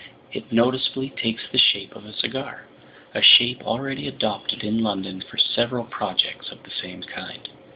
It noticeably takes the shape of a cigar, a shape already adopted in London for several projects of the same kind.